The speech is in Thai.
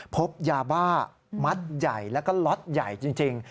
พบยาบ้ามัดใหญ่แล้วก็ล็อตใหญ่จริง